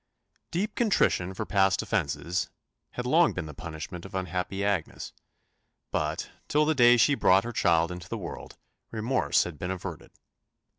Deep contrition for past offences had long been the punishment of unhappy Agnes; but, till the day she brought her child into the world, remorse had been averted.